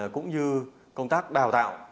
cũng như công tác đào tạo